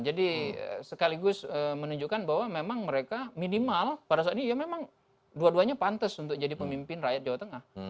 sekaligus menunjukkan bahwa memang mereka minimal pada saat ini ya memang dua duanya pantas untuk jadi pemimpin rakyat jawa tengah